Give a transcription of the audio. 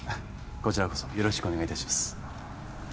こちらこそよろしくお願いいたします